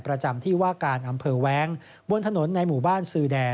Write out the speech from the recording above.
ประจำที่ว่าการอำเภอแว้งบนถนนในหมู่บ้านซือแด